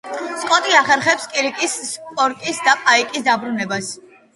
სკოტი ახერხებს კირკის, სპოკის და პაიკის დაბრუნებას.